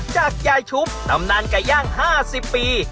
จากยายชุบตำนานไก่ย่าง๕๐ปี